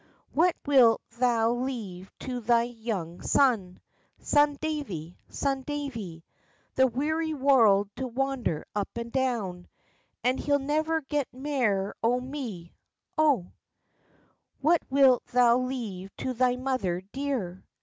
"What wilt thou leave to thy young son? Son Davie! son Davie!" "The weary warld to wander up and down, And he'll never get mair o' me, O." "What wilt thou leave to thy mother dear?